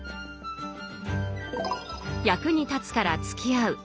役に立つからつきあう